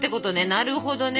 なるほどね。